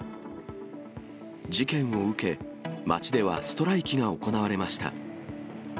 事件を受け、街ではストライキが行われました。